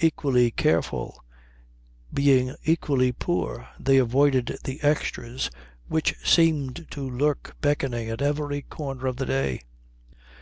Equally careful, being equally poor, they avoided the extras which seemed to lurk beckoning at every corner of the day.